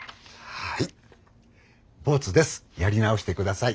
はい。